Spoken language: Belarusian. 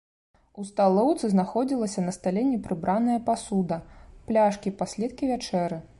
У сталоўцы знаходзілася на стале непрыбраная пасуда, пляшкі, паследкі вячэры.